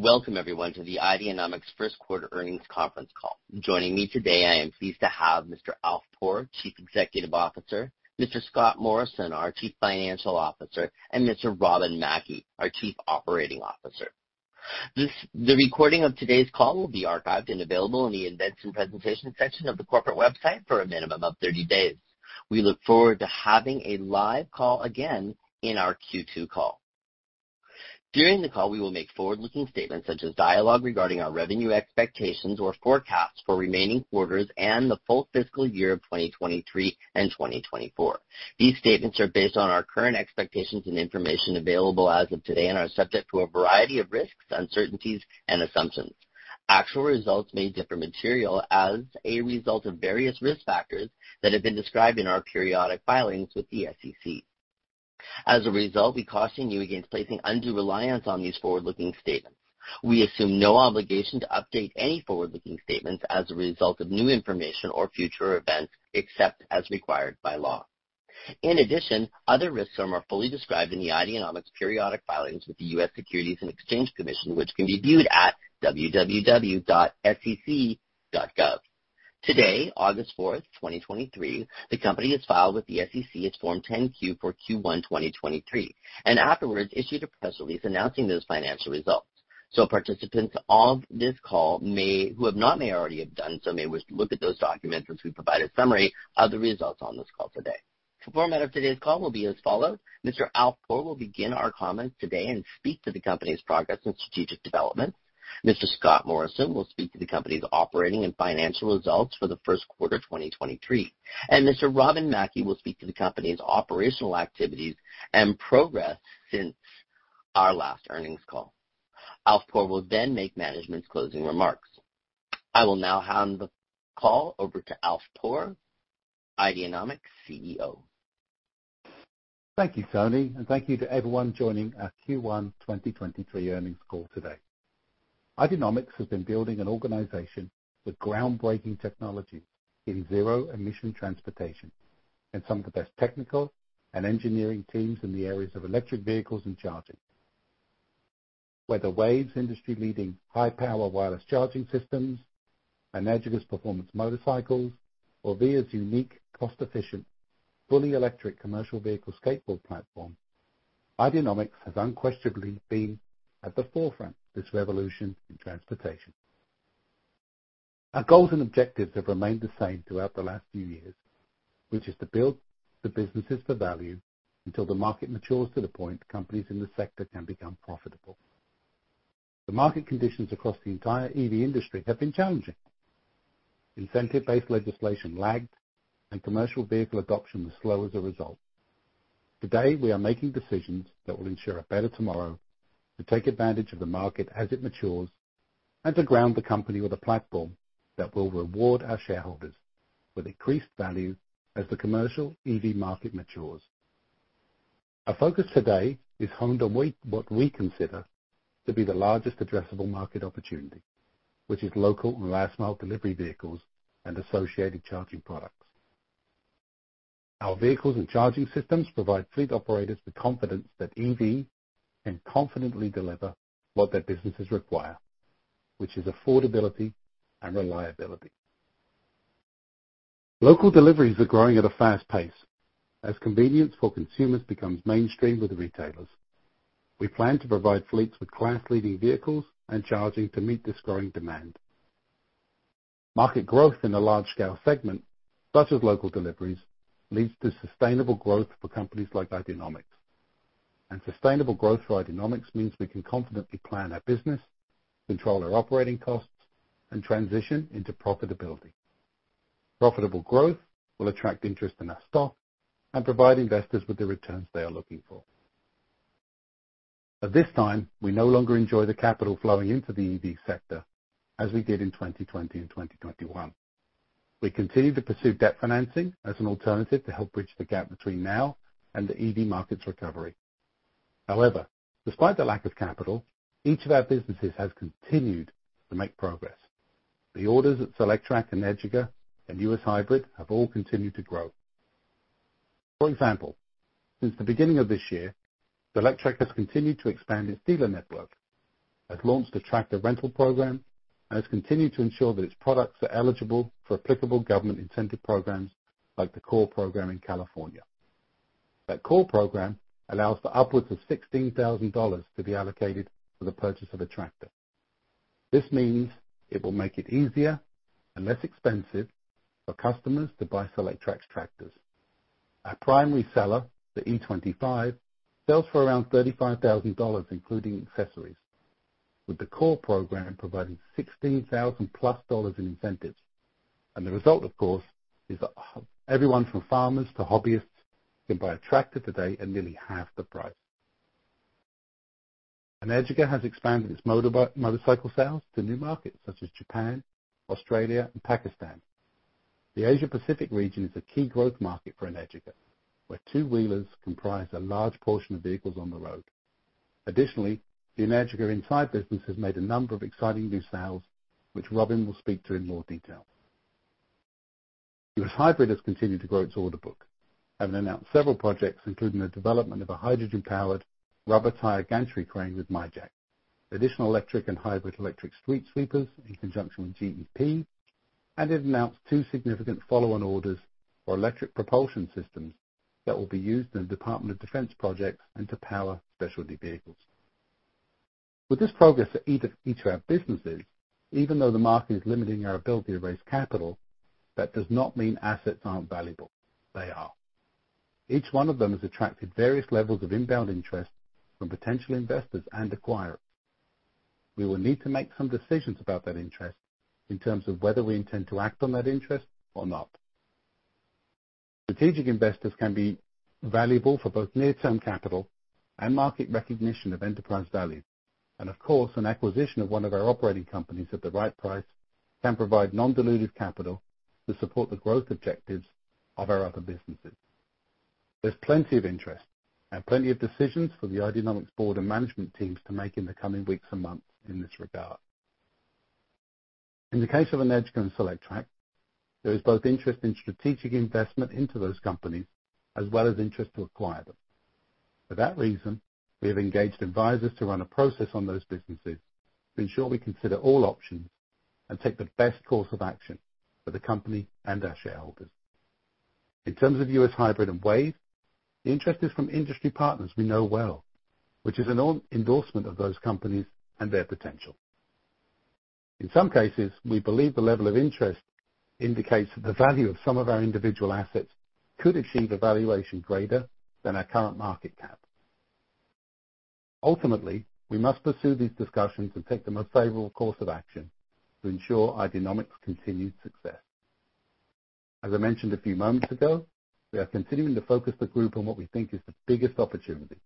Welcome everyone to the Ideanomics first quarter earnings conference call. Joining me today, I am pleased to have Mr. Alf Poor, Chief Executive Officer, Mr. Scott Morrison, our Chief Financial Officer, and Mr. Robin Mackie, our Chief Operating Officer. The recording of today's call will be archived and available in the Investors Presentation section of the corporate website for a minimum of 30 days. We look forward to having a live call again in our Q2 call. During the call, we will make forward-looking statements such as dialogue regarding our revenue expectations or forecasts for remaining quarters and the full fiscal year of 2023 and 2024. These statements are based on our current expectations and information available as of today and are subject to a variety of risks, uncertainties and assumptions. Actual results may differ material as a result of various risk factors that have been described in our periodic filings with the SEC. As a result, we caution you against placing undue reliance on these forward-looking statements. We assume no obligation to update any forward-looking statements as a result of new information or future events, except as required by law. In addition, other risks are more fully described in the Ideanomics periodic filings with the U.S. Securities and Exchange Commission, which can be viewed at www.sec.gov. Today, August 4th, 2023, the company has filed with the SEC, its Form 10-Q for Q1 2023, and afterwards issued a press release announcing those financial results. Participants on this call may, who have not may already have done so, may wish to look at those documents as we provide a summary of the results on this call today. The format of today's call will be as follows: Mr. Alf Poor will begin our comments today and speak to the company's progress and strategic development. Mr. Scott Morrison will speak to the company's operating and financial results for the first quarter, 2023, and Mr. Robin Mackie will speak to the company's operational activities and progress since our last earnings call. Alf Poor will make management's closing remarks. I will now hand the call over to Alf Poor, Ideanomics CEO. Thank you, Tony, and thank you to everyone joining our Q1 2023 earnings call today. Ideanomics has been building an organization with groundbreaking technology in zero emission transportation and some of the best technical and engineering teams in the areas of electric vehicles and charging. Whether WAVE's industry-leading high-power wireless charging systems, Energica's performance motorcycles, or VIA's unique, cost-efficient, fully electric commercial vehicle skateboard platform, Ideanomics has unquestionably been at the forefront of this revolution in transportation. Our goals and objectives have remained the same throughout the last few years, which is to build the businesses for value until the market matures to the point companies in the sector can become profitable. The market conditions across the entire EV industry have been challenging. Incentive-based legislation lagged and commercial vehicle adoption was slow as a result. Today, we are making decisions that will ensure a better tomorrow, to take advantage of the market as it matures, to ground the company with a platform that will reward our shareholders with increased value as the commercial EV market matures. Our focus today is honed on what we consider to be the largest addressable market opportunity, which is local and last mile delivery vehicles and associated charging products. Our vehicles and charging systems provide fleet operators with confidence that EV can confidently deliver what their businesses require, which is affordability and reliability. Local deliveries are growing at a fast pace as convenience for consumers becomes mainstream with retailers. We plan to provide fleets with class-leading vehicles and charging to meet this growing demand. Market growth in a large-scale segment, such as local deliveries, leads to sustainable growth for companies like Ideanomics. Sustainable growth for Ideanomics means we can confidently plan our business, control our operating costs, and transition into profitability. Profitable growth will attract interest in our stock and provide investors with the returns they are looking for. At this time, we no longer enjoy the capital flowing into the EV sector as we did in 2020 and 2021. We continue to pursue debt financing as an alternative to help bridge the gap between now and the EV market's recovery. Despite the lack of capital, each of our businesses has continued to make progress. The orders at Solectrac and Energica and US Hybrid have all continued to grow. For example, since the beginning of this year, Solectrac has continued to expand its dealer network, has launched a tractor rental program, and has continued to ensure that its products are eligible for applicable government incentive programs like the CORE program in California. That CORE program allows for upwards of $16,000 to be allocated for the purchase of a tractor. This means it will make it easier and less expensive for customers to buy Solectrac's tractors. Our primary seller, the e25, sells for around $35,000, including accessories, with the CORE program providing $16,000+ dollars in incentives. The result, of course, is that everyone from farmers to hobbyists can buy a tractor today at nearly half the price. Energica has expanded its motorcycle sales to new markets such as Japan, Australia, and Pakistan. The Asia Pacific region is a key growth market for Energica, where two-wheelers comprise a large portion of vehicles on the road. Additionally, the Energica Inside business has made a number of exciting new sales, which Robin will speak to in more detail.... US Hybrid has continued to grow its order book and announced several projects, including the development of a hydrogen-powered rubber tire gantry crane with Mi-Jack, additional electric and hybrid electric street sweepers in conjunction with GEP, and it announced two significant follow-on orders for electric propulsion systems that will be used in Department of Defense projects and to power specialty vehicles. With this progress at each of our businesses, even though the market is limiting our ability to raise capital, that does not mean assets aren't valuable. They are. Each one of them has attracted various levels of inbound interest from potential investors and acquirers. We will need to make some decisions about that interest in terms of whether we intend to act on that interest or not. Strategic investors can be valuable for both near-term capital and market recognition of enterprise value, and of course, an acquisition of one of our operating companies at the right price can provide non-dilutive capital to support the growth objectives of our other businesses. There's plenty of interest and plenty of decisions for the Ideanomics board and management teams to make in the coming weeks and months in this regard. In the case of Energica and Solectrac, there is both interest in strategic investment into those companies, as well as interest to acquire them. For that reason, we have engaged advisors to run a process on those businesses to ensure we consider all options and take the best course of action for the company and our shareholders. In terms of US Hybrid and WAVE, the interest is from industry partners we know well, which is an endorsement of those companies and their potential. In some cases, we believe the level of interest indicates that the value of some of our individual assets could achieve a valuation greater than our current market cap. Ultimately, we must pursue these discussions and take the most favorable course of action to ensure Ideanomics' continued success. As I mentioned a few moments ago, we are continuing to focus the group on what we think is the biggest opportunity,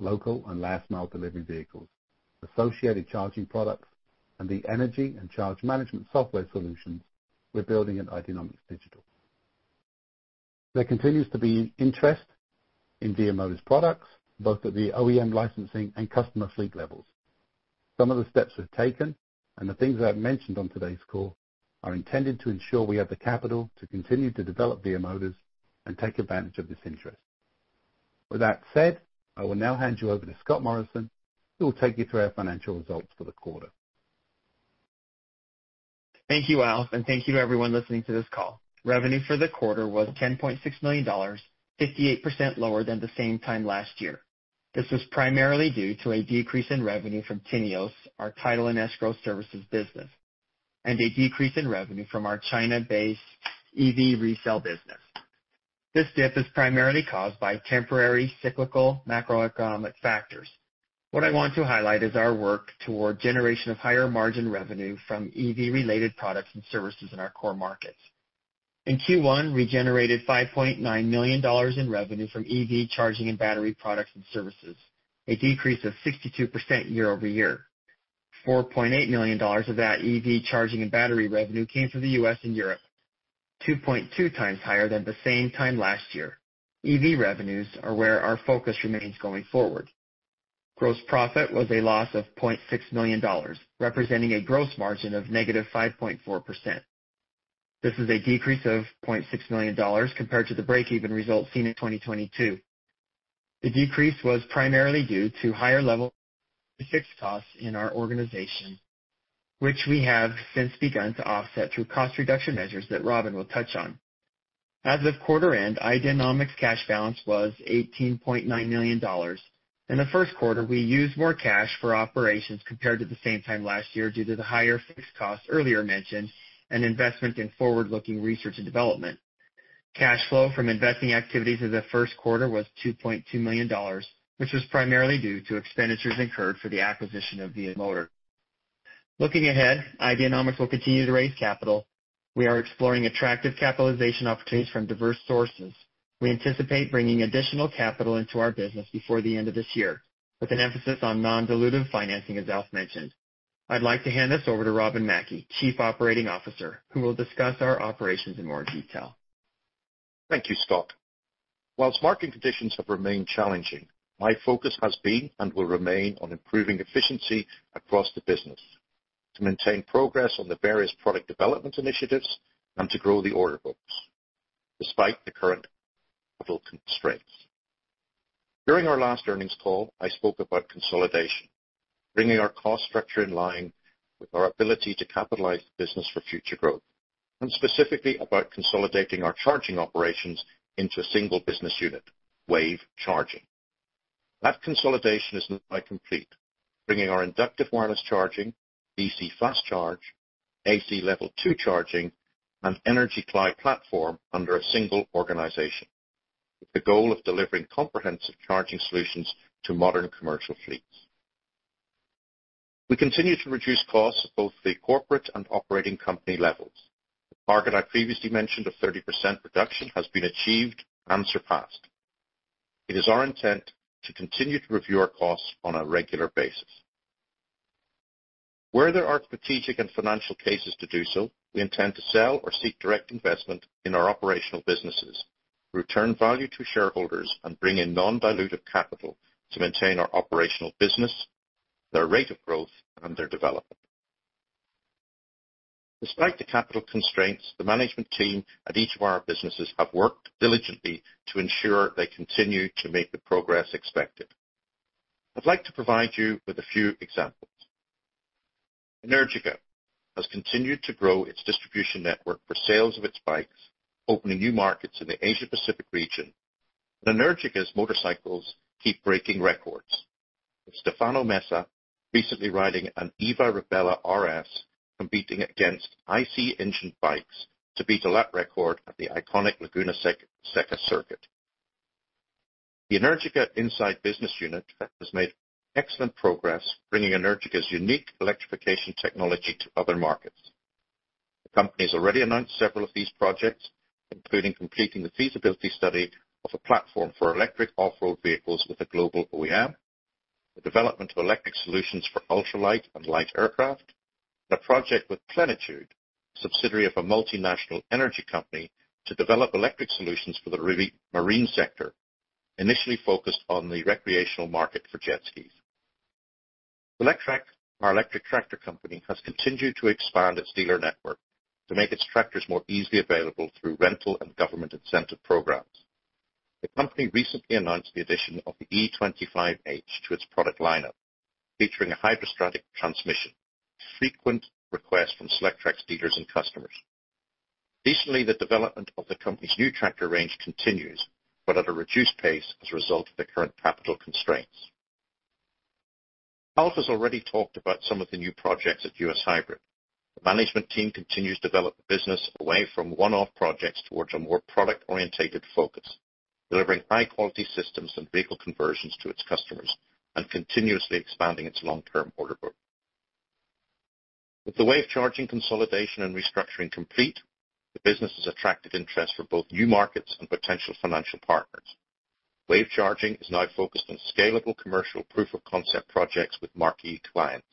local and last mile delivery vehicles, associated charging products, and the energy and charge management software solutions we're building at Ideanomics Digital. There continues to be interest in VIA Motors products, both at the OEM licensing and customer fleet levels. Some of the steps we've taken, and the things that I've mentioned on today's call, are intended to ensure we have the capital to continue to develop VIA Motors and take advantage of this interest. With that said, I will now hand you over to Scott Morrison, who will take you through our financial results for the quarter. Thank you, Alf, thank you to everyone listening to this call. Revenue for the quarter was $10.6 million, 58% lower than the same time last year. This was primarily due to a decrease in revenue from Timios, our title and escrow services business, and a decrease in revenue from our China-based EV resale business. This dip is primarily caused by temporary cyclical macroeconomic factors. What I want to highlight is our work toward generation of higher margin revenue from EV-related products and services in our core markets. In Q1, we generated $5.9 million in revenue from EV charging and battery products and services, a decrease of 62% year-over-year. $4.8 million of that EV charging and battery revenue came from the U.S. and Europe, 2.2 times higher than the same time last year. EV revenues are where our focus remains going forward. Gross profit was a loss of $0.6 million, representing a gross margin of negative 5.4%. This is a decrease of $0.6 million compared to the breakeven result seen in 2022. The decrease was primarily due to higher level fixed costs in our organization, which we have since begun to offset through cost reduction measures that Robin will touch on. As of quarter end, Ideanomics' cash balance was $18.9 million. In the first quarter, we used more cash for operations compared to the same time last year due to the higher fixed costs earlier mentioned and investment in forward-looking research and development. Cash flow from investing activities in the first quarter was $2.2 million, which was primarily due to expenditures incurred for the acquisition of VIA Motors. Looking ahead, Ideanomics will continue to raise capital. We are exploring attractive capitalization opportunities from diverse sources. We anticipate bringing additional capital into our business before the end of this year, with an emphasis on non-dilutive financing, as Alf mentioned. I'd like to hand this over to Robin Mackie, Chief Operating Officer, who will discuss our operations in more detail. Thank you, Scott. Whilst market conditions have remained challenging, my focus has been, and will remain, on improving efficiency across the business, to maintain progress on the various product development initiatives and to grow the order books, despite the current total constraints. During our last earnings call, I spoke about consolidation, bringing our cost structure in line with our ability to capitalize the business for future growth, and specifically about consolidating our charging operations into a single business unit, WAVE Charging. That consolidation is now complete, bringing our inductive wireless charging, DC fast charging, AC Level 2 charging, and energy cloud platform under a single organization, with the goal of delivering comprehensive charging solutions to modern commercial fleets. We continue to reduce costs at both the corporate and operating company levels. The target I previously mentioned of 30% reduction has been achieved and surpassed. It is our intent to continue to review our costs on a regular basis. Where there are strategic and financial cases to do so, we intend to sell or seek direct investment in our operational businesses, return value to shareholders, and bring in non-dilutive capital to maintain our operational businesses, their rate of growth, and their development. Despite the capital constraints, the management team at each of our businesses have worked diligently to ensure they continue to make the progress expected. I'd like to provide you with a few examples. Energica has continued to grow its distribution network for sales of its bikes, opening new markets in the Asia Pacific region, and Energica's motorcycles keep breaking records, with Stefano Mesa recently riding an Eva Ribelle RS, competing against IC engine bikes to beat a lap record at the iconic Laguna Seca circuit. The Energica Inside business unit has made excellent progress, bringing Energica's unique electrification technology to other markets. The company's already announced several of these projects, including completing the feasibility study of a platform for electric off-road vehicles with a global OEM, the development of electric solutions for ultralight and light aircraft, and a project with Plenitude, subsidiary of a multinational energy company, to develop electric solutions for the marine sector, initially focused on the recreational market for jet skis. Solectrac, our electric tractor company, has continued to expand its dealer network to make its tractors more easily available through rental and government incentive programs. The company recently announced the addition of the e25H to its product lineup, featuring a hydrostatic transmission, frequent request from Solectrac dealers and customers. Recently, the development of the company's new tractor range continues, but at a reduced pace as a result of the current capital constraints. Alf has already talked about some of the new projects at US Hybrid. The management team continues to develop the business away from one-off projects towards a more product-oriented focus, delivering high-quality systems and vehicle conversions to its customers and continuously expanding its long-term order book. With the WAVE Charging consolidation and restructuring complete, the business has attracted interest from both new markets and potential financial partners. WAVE Charging is now focused on scalable commercial proof-of-concept projects with marquee clients.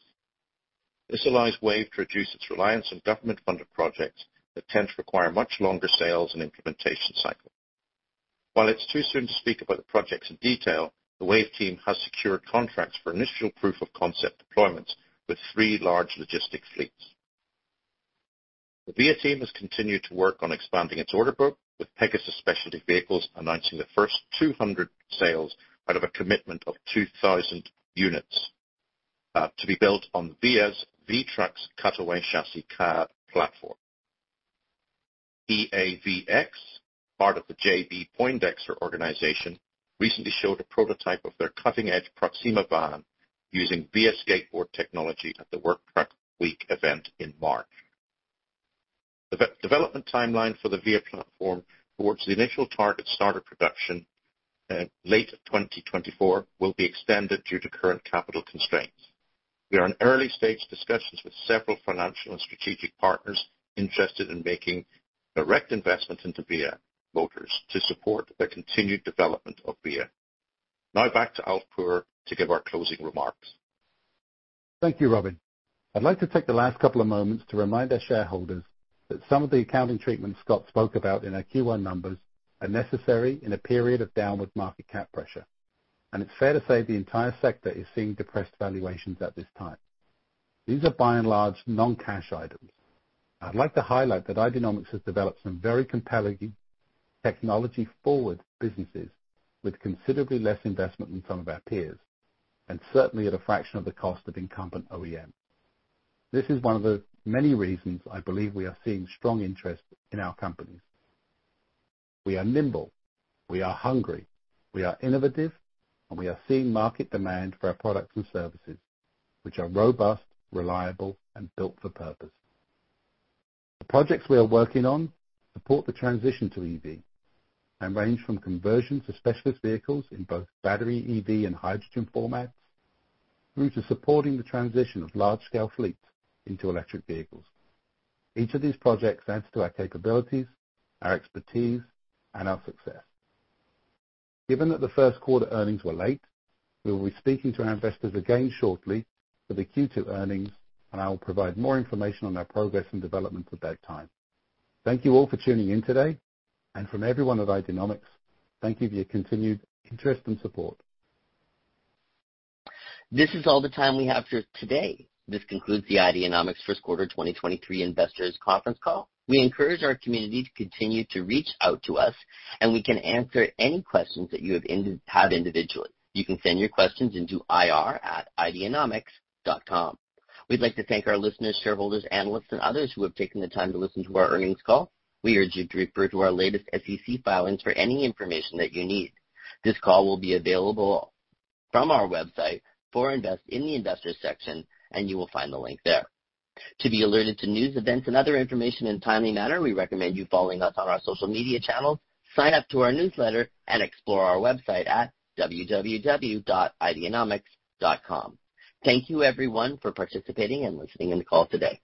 This allows WAVE to reduce its reliance on government-funded projects that tend to require much longer sales and implementation cycles. While it's too soon to speak about the projects in detail, the WAVE team has secured contracts for initial proof of concept deployments with three large logistic fleets. The VIA team has continued to work on expanding its order book, with Pegasus Specialty Vehicles announcing the first 200 sales out of a commitment of 2,000 units, to be built on VIA's VTRUX cutaway chassis cab platform. EAVX, part of the J.B. Poindexter & Co. organization, recently showed a prototype of their cutting-edge Proxima van using VIA skateboard technology at the Work Truck Week event in March. The development timeline for the VIA platform towards the initial target start of production, late of 2024, will be extended due to current capital constraints. We are in early stage discussions with several financial and strategic partners interested in making direct investments into VIA Motors to support the continued development of VIA. Now back to Alf Poor to give our closing remarks. Thank you, Robin. I'd like to take the last couple of moments to remind our shareholders that some of the accounting treatments Scott spoke about in our Q1 numbers are necessary in a period of downward market cap pressure. It's fair to say the entire sector is seeing depressed valuations at this time. These are by and large, non-cash items. I'd like to highlight that Ideanomics has developed some very compelling technology-forward businesses with considerably less investment than some of our peers. Certainly at a fraction of the cost of incumbent OEM. This is one of the many reasons I believe we are seeing strong interest in our companies. We are nimble, we are hungry, we are innovative. We are seeing market demand for our products and services, which are robust, reliable, and built for purpose. The projects we are working on support the transition to EV and range from conversion to specialist vehicles in both battery, EV, and hydrogen formats, through to supporting the transition of large-scale fleets into electric vehicles. Each of these projects adds to our capabilities, our expertise, and our success. Given that the first quarter earnings were late, we will be speaking to our investors again shortly for the Q2 earnings, and I will provide more information on our progress and development at that time. Thank you all for tuning in today, and from everyone at Ideanomics, thank you for your continued interest and support. This is all the time we have for today. This concludes the Ideanomics first quarter 2023 investors conference call. We encourage our community to continue to reach out to us, and we can answer any questions that you have individually. You can send your questions into ir@ideanomics.com. We'd like to thank our listeners, shareholders, analysts, and others who have taken the time to listen to our earnings call. We urge you to refer to our latest SEC filings for any information that you need. This call will be available from our website for invest in the Investors section, and you will find the link there. To be alerted to news, events, and other information in a timely manner, we recommend you following us on our social media channels, sign up to our newsletter and explore our website at www.ideanomics.com. Thank you, everyone, for participating and listening in the call today.